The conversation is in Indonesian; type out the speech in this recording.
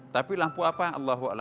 tapi lampu apa